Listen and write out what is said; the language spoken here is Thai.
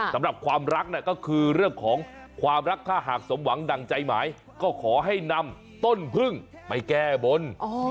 สำหรับความรักเนี่ยก็คือเรื่องของความรักถ้าหากสมหวังดั่งใจหมายก็ขอให้นำต้นพึ่งไปแก้บน